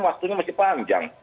waktunya masih panjang